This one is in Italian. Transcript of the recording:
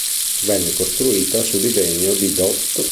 Venne costruita su disegno di dott.